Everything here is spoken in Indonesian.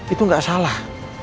itu gak salah